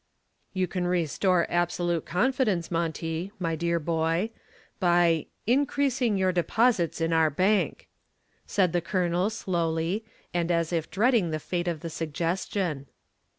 "You can restore absolute confidence, Monty, my dear boy, by increasing your deposits in our bank," said the Colonel slowly, and as if dreading the fate of the suggestion.